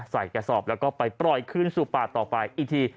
ใส่กระสอบแล้วก็ไปปล่อยคลื่นสู่ป่าต่อไป